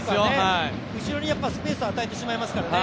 後ろにスペースを与えてしまいますからね。